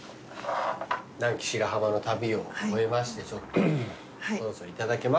南紀白浜の旅を終えましてちょっとそろそろ頂けますか。